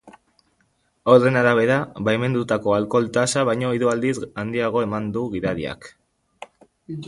Horren arabera, baimendutako alkohol-tasa baino hiru aldiz handiagoa eman du gidariak.